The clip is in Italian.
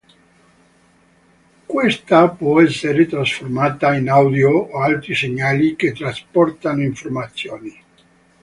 Questa può essere trasformata in audio o altri segnali che trasportano informazioni.